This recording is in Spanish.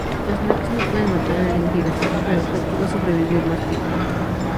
Los Maquis no pueden matar el hendido, el objetivo es sobrevivir más tiempo.